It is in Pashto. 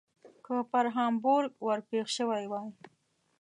که پر هامبورګ ور پیښ شوي وای.